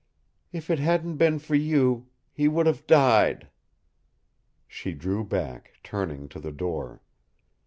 "If it hadn't been for you he would have died!" She drew back, turning to the door.